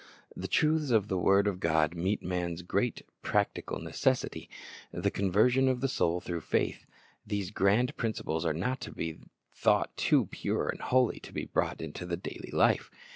The truths of the word of God meet man's great practi cal necessity, — the conversion of the souh through faith. These grand principles are not to be tTiought too pure and holy to be brought into the daily life.